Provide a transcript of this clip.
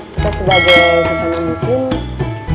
kita sebagai sesama musim